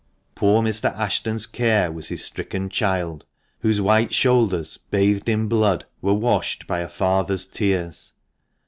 Poor Mr. Ashton's care was his stricken child, whose white shoulders, bathed in blood, were washed by a father's tears.